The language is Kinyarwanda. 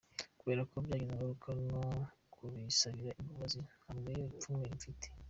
Kuberako byagize ingaruka, no kubisabira imbabazi ntabwo ari ryo pfunwe mfite.